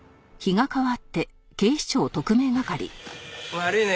悪いね。